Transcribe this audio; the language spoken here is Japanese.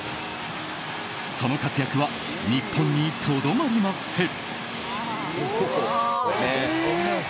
その活躍は日本にとどまりません。